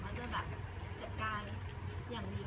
จะแบบจัดการอย่างดี